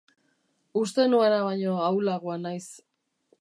Uste nuena baino ahulagoa naiz.